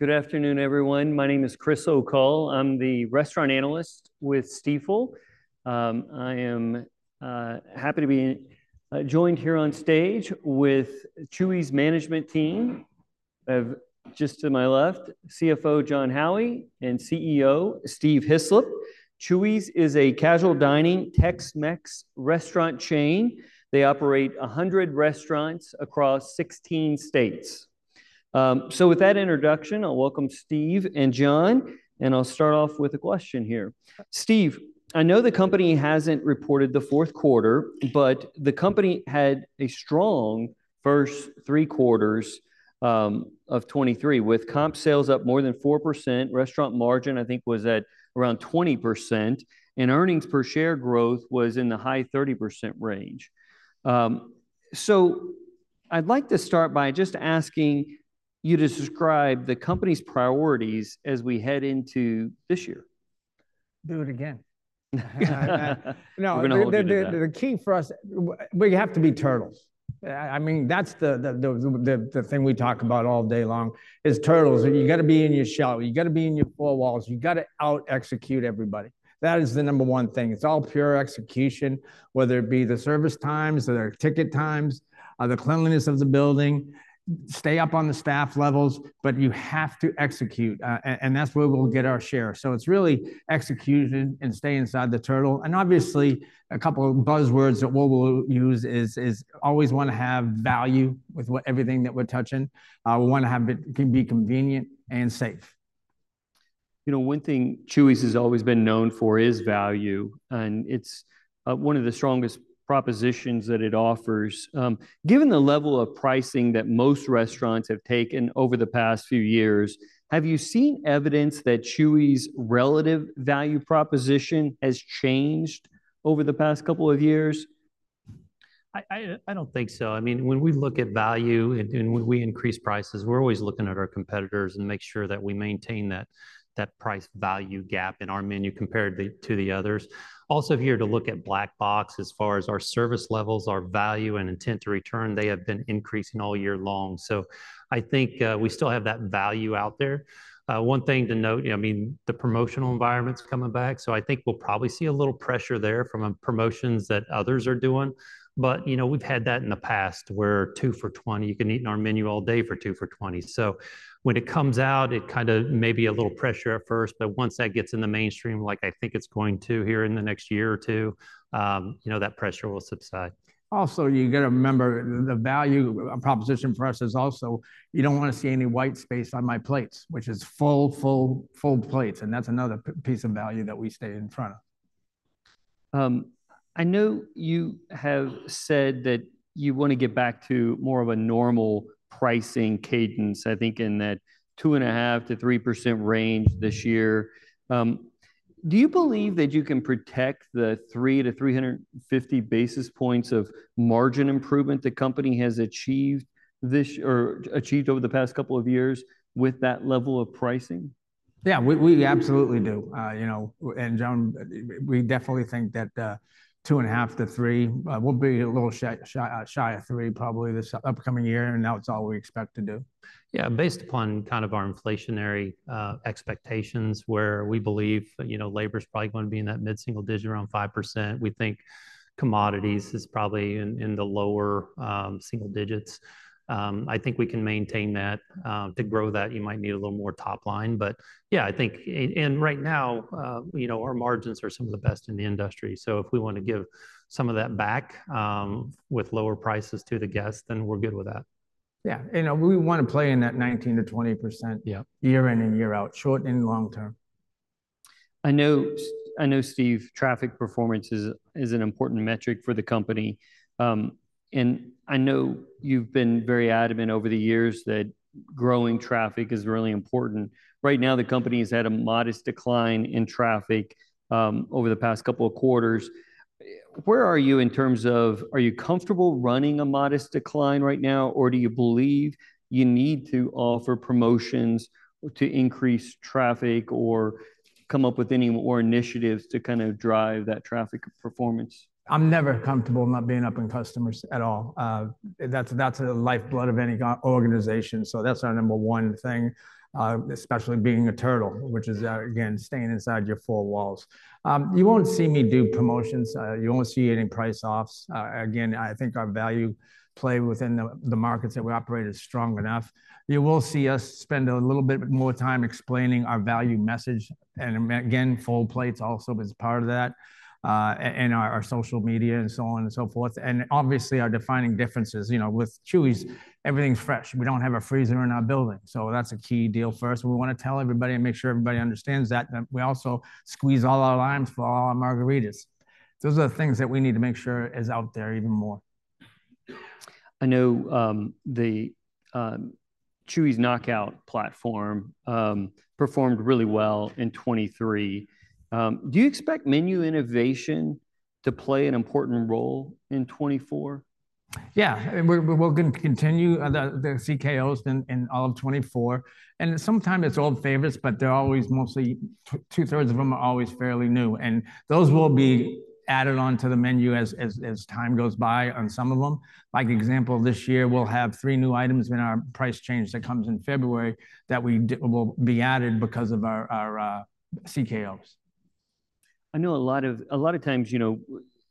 Good afternoon, everyone. My name is Chris O'Cull. I'm the restaurant analyst with Stifel. I am happy to be joined here on stage with Chuy's management team. Just to my left, CFO Jon Howie and CEO Steve Hislop. Chuy's is a casual dining Tex-Mex restaurant chain. They operate 100 restaurants across 16 states. With that introduction, I'll welcome Steve and Jon, and I'll start off with a question here. Steve, I know the company hasn't reported the Q4, but the company had a strong first three quarters of 2023, with comp sales up more than 4%. Restaurant margin, I think, was at around 20%, and earnings per share growth was in the high 30% range. I'd like to start by just asking you to describe the company's priorities as we head into this year. Do it again. We're going to look into that. No, the key for us, we have to be turtles. I mean, that's the thing we talk about all day long is turtles. You gotta be in your Shell. You gotta be in your four walls. You gotta out-execute everybody. That is the number one thing. It's all pure execution, whether it be the service times or their ticket times, or the cleanliness of the building. Stay up on the staff levels, but you have to execute, and that's where we'll get our share. So it's really execution and stay inside the turtle. And obviously, a couple of buzzwords that what we'll use is, is always want to have value with what everything that we're touching. We want to have it be convenient and safe. You know, one thing Chuy's has always been known for is value, and it's one of the strongest propositions that it offers. Given the level of pricing that most restaurants have taken over the past few years, have you seen evidence that Chuy's relative value proposition has changed over the past couple of years? I don't think so. I mean, when we look at value and when we increase prices, we're always looking at our competitors and make sure that we maintain that price value gap in our menu compared to the others. Also, we look at Black Box as far as our service levels, our value, and intent to return, they have been increasing all year long. So I think we still have that value out there. One thing to note, you know, I mean, the promotional environment's coming back, so I think we'll probably see a little pressure there from promotions that others are doing. But, you know, we've had that in the past, where two for $20, you can eat in our menu all day for two for $20. So when it comes out, it kind of may be a little pressure at first, but once that gets in the mainstream, like I think it's going to here in the next year or two, you know, that pressure will subside. Also, you gotta remember, the value proposition for us is also you don't want to see any white space on my plates, which is full, full, full plates, and that's another piece of value that we stay in front of. I know you have said that you want to get back to more of a normal pricing cadence, I think in that 2.5%-3% range this year. Do you believe that you can protect the 300-350 basis points of margin improvement the company has achieved this or achieved over the past couple of years with that level of pricing? Yeah, we absolutely do. You know, and Jon, we definitely think that 2.5-3, we'll be a little shy of three, probably this upcoming year, and that's all we expect to do. Yeah, based upon kind of our inflationary expectations, where we believe, you know, labor's probably going to be in that mid-single digit, around 5%. We think commodities is probably in the lower single digits. I think we can maintain that. To grow that, you might need a little more top line, but yeah, I think... and right now, you know, our margins are some of the best in the industry. So if we want to give some of that back with lower prices to the guests, then we're good with that. Yeah. You know, we want to play in that 19%-20%- Yeah. Year in and year out, short and long term. I know, I know, Steve, traffic performance is an important metric for the company. And I know you've been very adamant over the years that growing traffic is really important. Right now, the company has had a modest decline in traffic over the past couple of quarters. Where are you in terms of...? Are you comfortable running a modest decline right now, or do you believe you need to offer promotions to increase traffic or come up with any more initiatives to kind of drive that traffic performance? I'm never comfortable not being up in customers at all. That's the lifeblood of any organization, so that's our number one thing, especially being a turtle, which is, again, staying inside your four walls. You won't see me do promotions. You won't see any price offs. Again, I think our value play within the markets that we operate is strong enough. You will see us spend a little bit more time explaining our value message, and again, full plates also is part of that, and our social media and so on and so forth. And obviously, our defining differences. You know, with Chuy's, everything's fresh. We don't have a freezer in our building, so that's a key deal for us. We want to tell everybody and make sure everybody understands that, that we also squeeze all our limes for all our margaritas. Those are the things that we need to make sure is out there even more. I know, Chuy's Knockout platform performed really well in 2023. Do you expect menu innovation to play an important role in 2024? Yeah, and we're going to continue the CKO in all of 2024. And sometimes it's old favorites, but they're always mostly two-thirds of them are always fairly new, and those will be added on to the menu as time goes by on some of them. Like example, this year, we'll have three new items in our price change that comes in February that will be added because of our CKOs. ... I know a lot of, a lot of times, you know,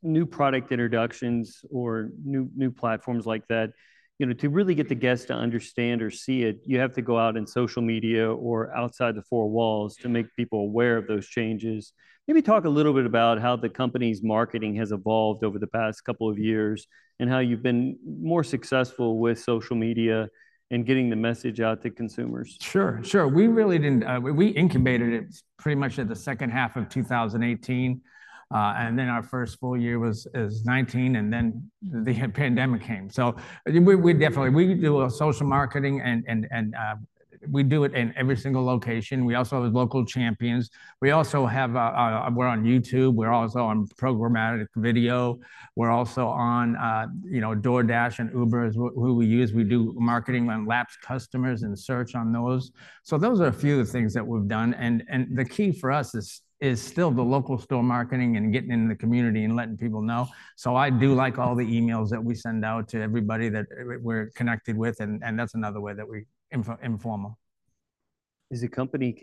new product introductions or new platforms like that, you know, to really get the guests to understand or see it, you have to go out in social media or outside the four walls to make people aware of those changes. Maybe talk a little bit about how the company's marketing has evolved over the past couple of years, and how you've been more successful with social media in getting the message out to consumers. Sure, sure. We really didn't incubate it pretty much at the H2 of 2018. And then our first full year was 2019, and then the pandemic came. So we definitely do social marketing, and we do it in every single location. We also have local champions. We also have, we're on YouTube, we're also on programmatic video. We're also on, you know, DoorDash and Uber who we use. We do marketing on lapsed customers and search on those. So those are a few of the things that we've done, and the key for us is still the local store marketing and getting into the community and letting people know. So I do like all the emails that we send out to everybody that we're connected with, and that's another way that we inform them. Does the company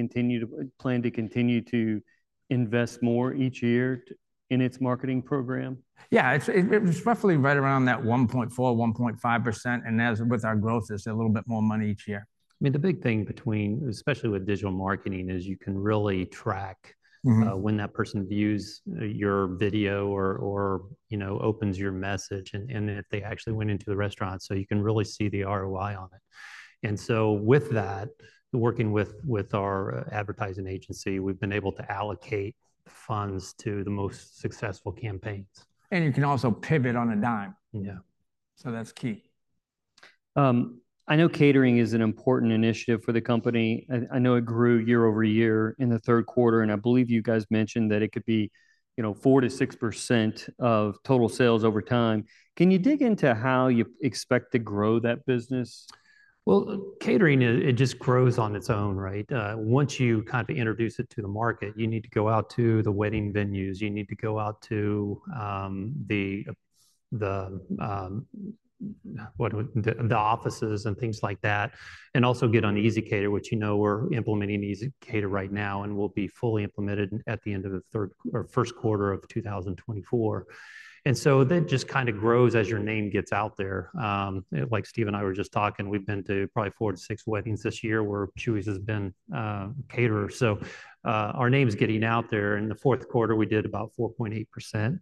plan to continue to invest more each year in its marketing program? Yeah, it's roughly right around that 1.4%-1.5%, and as with our growth, it's a little bit more money each year. I mean, the big thing between, especially with digital marketing, is you can really track- Mm-hmm... when that person views your video or you know, opens your message, and if they actually went into the restaurant. So you can really see the ROI on it. And so with that, working with our advertising agency, we've been able to allocate funds to the most successful campaigns. You can also pivot on a dime. Yeah. That's key. I know catering is an important initiative for the company. I know it grew year-over-year in the Q3, and I believe you guys mentioned that it could be, you know, 4%-6% of total sales over time. Can you dig into how you expect to grow that business? Well, catering, it just grows on its own, right? Once you kind of introduce it to the market, you need to go out to the wedding venues. You need to go out to the offices and things like that, and also get on ezCater, which, you know, we're implementing ezCater right now, and will be fully implemented at the end of the third, or first quarter of 2024. And so that just kind of grows as your name gets out there. Like Steve and I were just talking, we've been to probably four-six weddings this year where Chuy's has been caterer. So, our name's getting out there. In the Q4, we did about 4.8%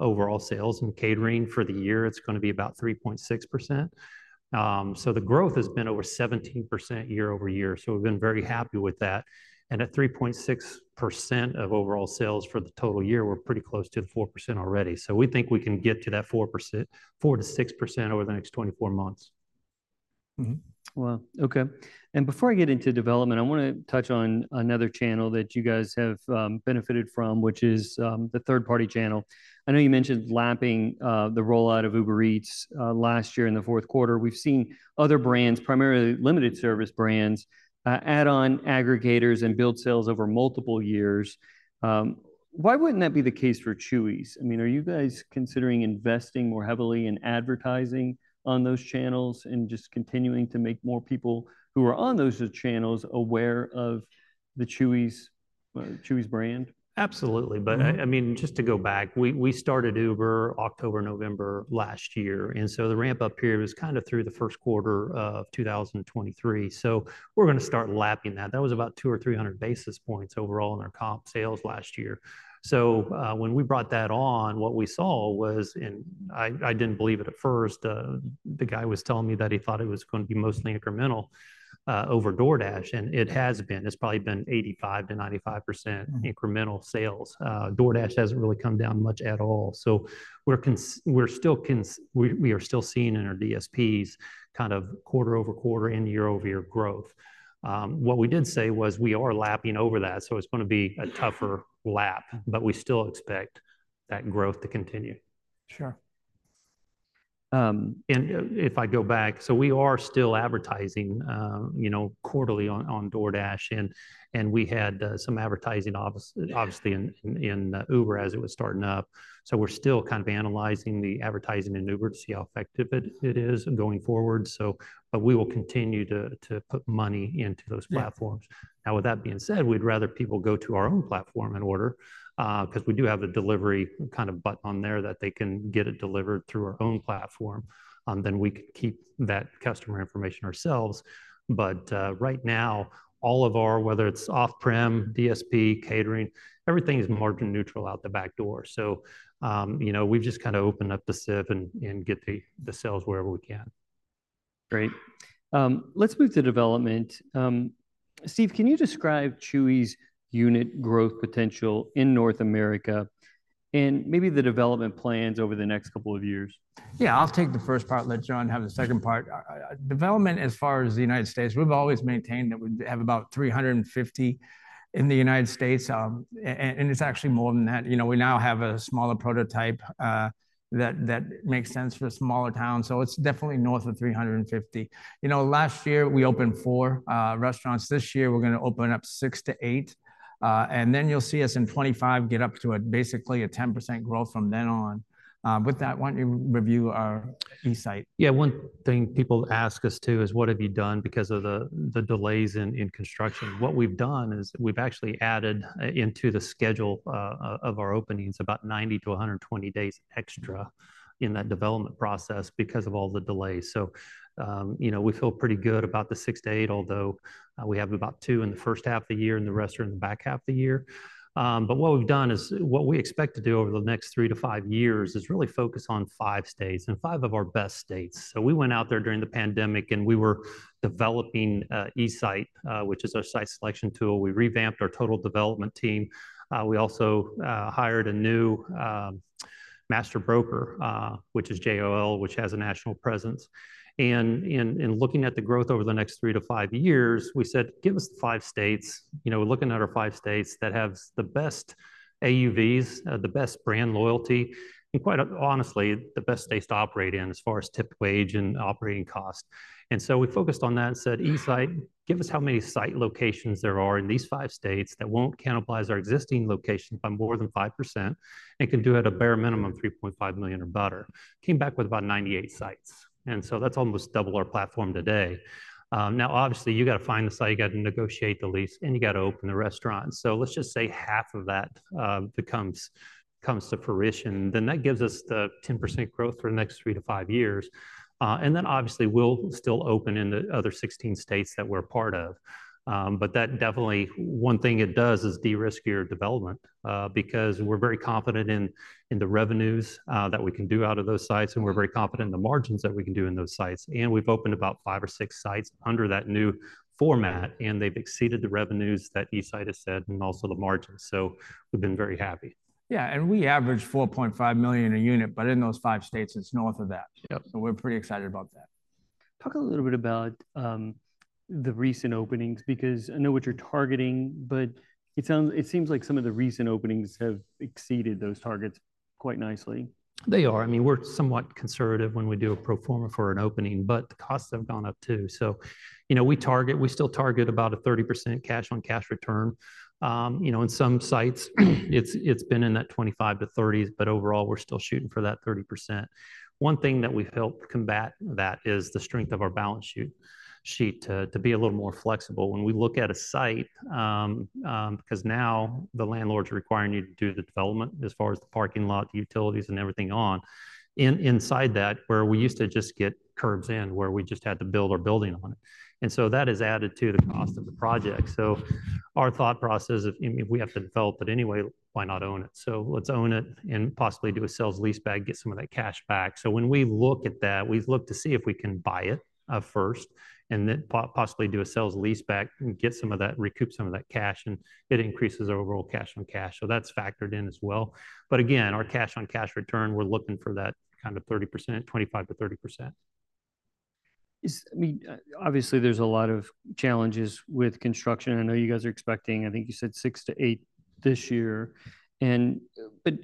overall sales in catering. For the year, it's gonna be about 3.6%. So the growth has been over 17% year-over-year, so we've been very happy with that. And at 3.6% of overall sales for the total year, we're pretty close to the 4% already. So we think we can get to that 4%-6% over the next 24 months. Mm-hmm. Well, okay. And before I get into development, I wanna touch on another channel that you guys have benefited from, which is the third-party channel. I know you mentioned lapping the rollout of Uber Eats last year in the Q4. We've seen other brands, primarily limited service brands, add on aggregators and build sales over multiple years. Why wouldn't that be the case for Chuy's? I mean, are you guys considering investing more heavily in advertising on those channels and just continuing to make more people who are on those channels aware of the Chuy's Chuy's brand? Absolutely. Mm-hmm. But I mean, just to go back, we started Uber October, November last year, and so the ramp-up period was kind of through the Q1 of 2023. So we're gonna start lapping that. That was about 200-300 basis points overall in our comp sales last year. So, when we brought that on, what we saw was, and I didn't believe it at first, the guy was telling me that he thought it was gonna be mostly incremental, over DoorDash, and it has been. It's probably been 85%-95%- Mm... incremental sales. DoorDash hasn't really come down much at all. So we are still seeing in our DSPs kind of quarter-over-quarter and year-over-year growth. What we did say was we are lapping over that, so it's gonna be a tougher lap, but we still expect that growth to continue. Sure. If I go back, so we are still advertising, you know, quarterly on DoorDash, and we had some advertising obviously in Uber as it was starting up. So we're still kind of analyzing the advertising in Uber to see how effective it is going forward. So, but we will continue to put money into those platforms. Yeah. Now, with that being said, we'd rather people go to our own platform and order, 'cause we do have a delivery kind of button on there that they can get it delivered through our own platform. Then we could keep that customer information ourselves. But right now, all of our, whether it's off-prem, DSP, catering, everything is margin neutral out the back door. So, you know, we've just kind of opened up the spigot and get the sales wherever we can. Great. Let's move to development. Steve, can you describe Chuy's unit growth potential in North America and maybe the development plans over the next couple of years? Yeah, I'll take the first part, and let Jon have the second part. Development, as far as the United States, we've always maintained that we'd have about 350 in the United States, and it's actually more than that. You know, we now have a smaller prototype that makes sense for the smaller towns, so it's definitely north of 350. You know, last year we opened four restaurants. This year, we're gonna open up six-eight, and then you'll see us in 2025 get up to basically a 10% growth from then on. With that, why don't you review our eSite? Yeah, one thing people ask us too, is what have you done because of the delays in construction? What we've done is we've actually added into the schedule of our openings, about 90-120 days extra in that development process because of all the delays. So, you know, we feel pretty good about the six-eight, although we have about two in the H1 of the year, and the rest are in the back half of the year. But what we've done is... What we expect to do over the next three-five years is really focus on five states, and five of our best states. So we went out there during the pandemic, and we were developing eSite, which is our site selection tool. We revamped our total development team. We also hired a new master broker, which is JLL, which has a national presence. In looking at the growth over the next three-five years, we said, "Give us the five states," you know, looking at our five states that have the best AUVs, the best brand loyalty, and quite honestly, the best states to operate in as far as tip wage and operating costs. So we focused on that and said, "eSite, give us how many site locations there are in these five states that won't cannibalize our existing location by more than 5% and can do at a bare minimum $3.5 million or better." Came back with about 98 sites, and so that's almost double our platform today. Now, obviously, you've got to find the site, you've got to negotiate the lease, and you've got to open the restaurant. So let's just say half of that comes to fruition, then that gives us the 10% growth for the next three-five years. And then obviously, we'll still open in the other 16 states that we're a part of. But that definitely, one thing it does is de-risk your development, because we're very confident in the revenues that we can do out of those sites, and we're very confident in the margins that we can do in those sites. And we've opened about five or six sites under that new format, and they've exceeded the revenues that eSite has said and also the margins. So we've been very happy. Yeah, and we average $4.5 million a unit, but in those five states, it's north of that. Yep. We're pretty excited about that. Talk a little bit about the recent openings, because I know what you're targeting, but it sounds, it seems like some of the recent openings have exceeded those targets quite nicely. They are. I mean, we're somewhat conservative when we do a pro forma for an opening, but the costs have gone up too. So you know, we target, we still target about a 30% Cash-on-Cash Return. You know, in some sites, it's, it's been in that 25%-30s, but overall, we're still shooting for that 30%. One thing that we've helped combat that is the strength of our balance sheet to be a little more flexible when we look at a site, because now the landlords are requiring you to do the development as far as the parking lot, the utilities, and everything on inside that, where we used to just get curbs in, where we just had to build our building on it. And so that has added to the cost of the project. Our thought process is, I mean, if we have to develop it anyway, why not own it? So let's own it and possibly do a sale-leaseback, get some of that cash back. So when we look at that, we've looked to see if we can buy it first, and then possibly do a sale-leaseback and get some of that, recoup some of that cash, and it increases our overall cash-on-cash. So that's factored in as well. But again, our cash-on-cash return, we're looking for that kind of 30%, 25%-30%. Yes, I mean, obviously, there's a lot of challenges with construction. I know you guys are expecting, I think you said six-eight this year, and, but...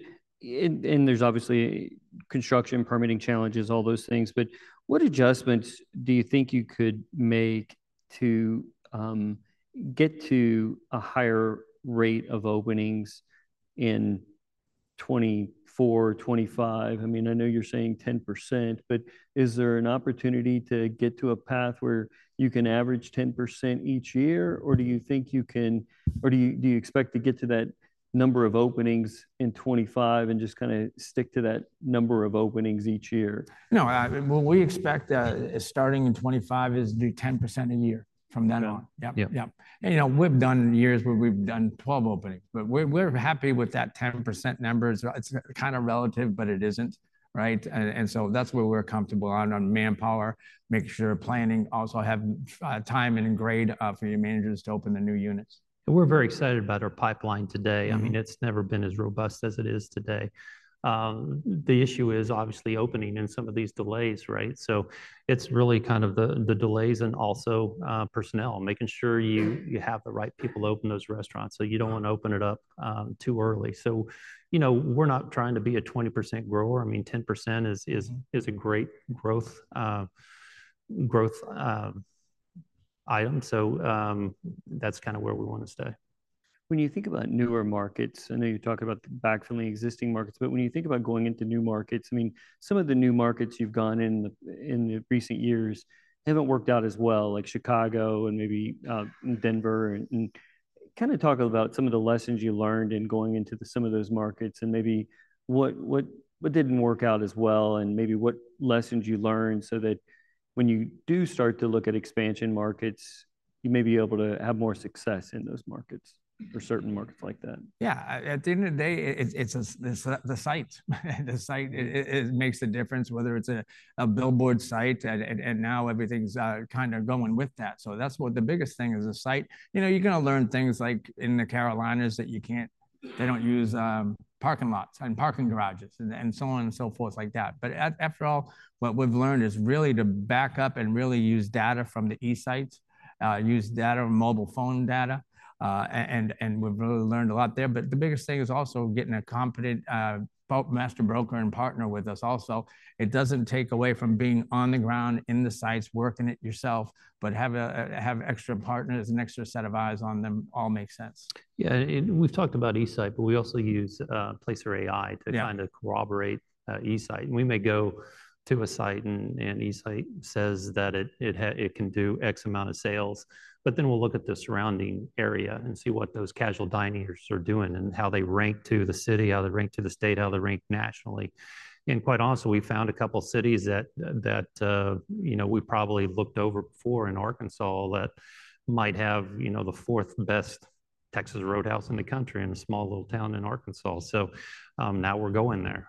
And there's obviously construction, permitting challenges, all those things, but what adjustments do you think you could make to, get to a higher rate of openings in 2024, 2025? I mean, I know you're saying 10%, but is there an opportunity to get to a path where you can average 10% each year, or do you think you can or do you, do you expect to get to that number of openings in 2025 and just kind of stick to that number of openings each year? No, what we expect, starting in 2025, is do 10% a year from then on. Yep. Yep, yep. And, you know, we've done years where we've done 12 openings, but we're, we're happy with that 10% number. It's, it's kind of relative, but it isn't, right? And, and so that's where we're comfortable on, on manpower, making sure planning also have time and grade for your managers to open the new units. We're very excited about our pipeline today. Mm-hmm. I mean, it's never been as robust as it is today. The issue is obviously opening and some of these delays, right? So it's really kind of the delays and also personnel, making sure you have the right people to open those restaurants. So you don't want to open it up too early. So, you know, we're not trying to be a 20% grower. I mean, 10% is a great growth item. So, that's kind of where we want to stay. When you think about newer markets, I know you talked about back from the existing markets, but when you think about going into new markets, I mean, some of the new markets you've gone in, in the recent years haven't worked out as well, like Chicago and maybe Denver. And kind of talk about some of the lessons you learned in going into some of those markets, and maybe what didn't work out as well, and maybe what lessons you learned so that when you do start to look at expansion markets... you may be able to have more success in those markets or certain markets like that. Yeah, at the end of the day, it's the site. The site it makes a difference whether it's a billboard site, and now everything's kind of going with that. So that's what the biggest thing is, the site. You know, you're gonna learn things like in the Carolinas that they don't use parking lots and parking garages, and so on and so forth like that. But after all, what we've learned is really to back up and really use data from the eSite. Use data, mobile phone data, and we've really learned a lot there. But the biggest thing is also getting a competent master broker and partner with us also. It doesn't take away from being on the ground, in the sites, working it yourself, but have a, have extra partners, an extra set of eyes on them all makes sense. Yeah, and we've talked about eSite, but we also use Placer.ai to kind of corroborate eSite. We may go to a site, and eSite says that it can do X amount of sales, but then we'll look at the surrounding area and see what those casual diners are doing and how they rank to the city, how they rank to the state, how they rank nationally. And quite honestly, we found a couple cities that you know, we probably looked over before in Arkansas that might have you know, the fourth-best Texas Roadhouse in the country, in a small little town in Arkansas. So, now we're going there.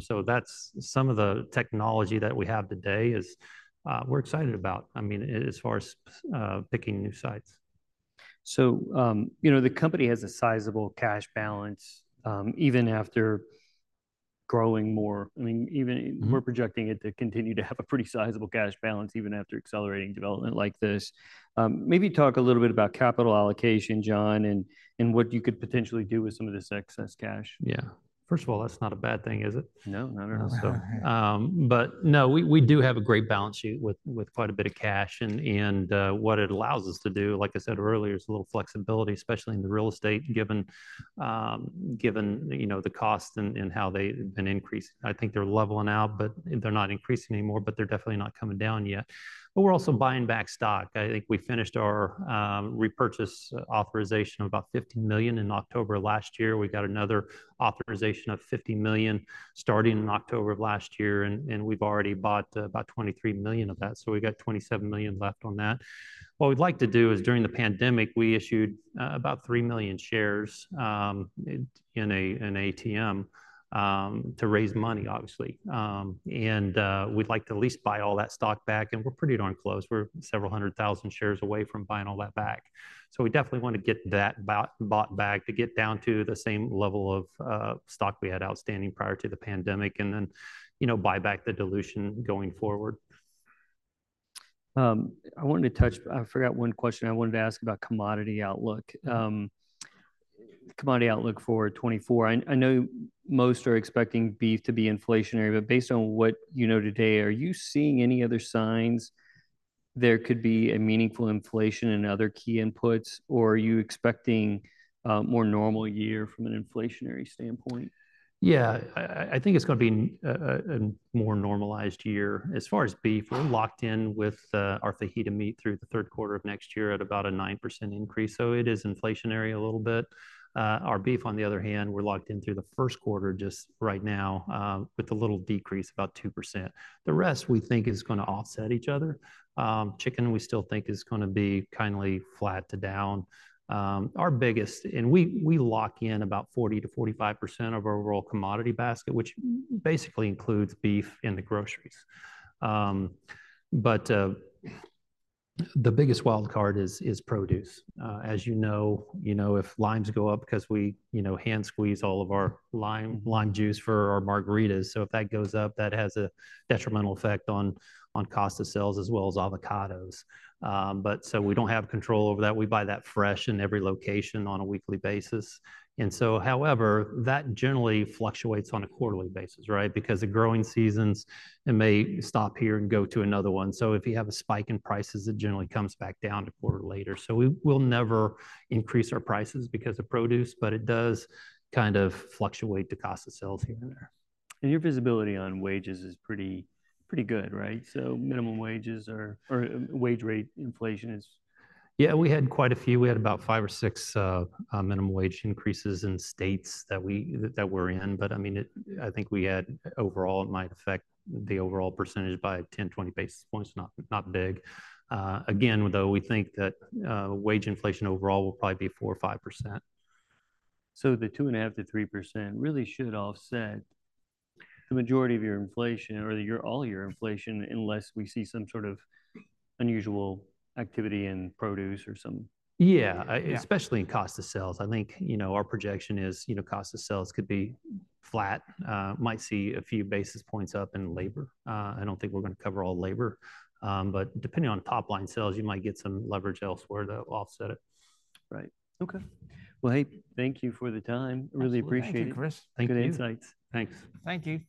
So, that's some of the technology that we have today is we're excited about, I mean, as far as picking new sites. So, you know, the company has a sizable cash balance, even after growing more. I mean, even- Mm-hmm... we're projecting it to continue to have a pretty sizable cash balance, even after accelerating development like this. Maybe talk a little bit about capital allocation, Jon, and what you could potentially do with some of this excess cash. Yeah. First of all, that's not a bad thing, is it? No, not at all. No. But no, we do have a great balance sheet with quite a bit of cash. And what it allows us to do, like I said earlier, is a little flexibility, especially in the real estate, given you know, the costs and how they have been increased. I think they're leveling out, but they're not increasing anymore, but they're definitely not coming down yet. But we're also buying back stock. I think we finished our repurchase authorization of about $50 million in October last year. We got another authorization of $50 million starting in October of last year, and we've already bought about $23 million of that. So we've got $27 million left on that. What we'd like to do is, during the pandemic, we issued about 3 million shares in ATM to raise money, obviously. And we'd like to at least buy all that stock back, and we're pretty darn close. We're several hundred thousand shares away from buying all that back. So we definitely want to get that bought back to get down to the same level of stock we had outstanding prior to the pandemic, and then, you know, buy back the dilution going forward. I wanted to touch... I forgot one question I wanted to ask about commodity outlook. Commodity outlook for 2024. I know most are expecting beef to be inflationary, but based on what you know today, are you seeing any other signs there could be a meaningful inflation in other key inputs, or are you expecting a more normal year from an inflationary standpoint? Yeah, I think it's gonna be a more normalized year. As far as beef, we're locked in with our fajita meat through the Q3 of next year at about a 9% increase, so it is inflationary a little bit. Our beef, on the other hand, we're locked in through the Q1 just right now with a little decrease, about 2%. The rest, we think, is gonna offset each other. Chicken, we still think is gonna be kind of flat to down. And we lock in about 40%-45% of our raw commodity basket, which basically includes beef and the groceries. But the biggest wild card is produce. As you know, you know, if limes go up, 'cause we, you know, hand squeeze all of our lime, lime juice for our margaritas, so if that goes up, that has a detrimental effect on cost of sales as well as avocados. But so we don't have control over that. We buy that fresh in every location on a weekly basis. And so however, that generally fluctuates on a quarterly basis, right? Because the growing seasons, it may stop here and go to another one. So if you have a spike in prices, it generally comes back down 1/4 later. So we, we'll never increase our prices because of produce, but it does kind of fluctuate the cost of sales here and there. Your visibility on wages is pretty, pretty good, right? Minimum wages are-- or wage rate inflation is- Yeah, we had quite a few. We had about five or six minimum wage increases in states that we're in. But, I mean, I think we had, overall, it might affect the overall percentage by 10, 20 basis points, not big. Again, though, we think that wage inflation overall will probably be 4% or 5%. So the 2.5%-3% really should offset the majority of your inflation or your, all your inflation, unless we see some sort of unusual activity in produce or some- Yeah, i- Yeah. Especially in cost of sales. I think, you know, our projection is, you know, cost of sales could be flat. Might see a few basis points up in labor. I don't think we're gonna cover all labor. Depending on top-line sales, you might get some leverage elsewhere to offset it. Right. Okay. Well, hey, thank you for the time. Absolutely. Really appreciate it. Thank you, Chris. Thank you. Good insights. Thanks. Thank you.